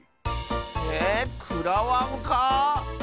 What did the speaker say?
えくらわんか？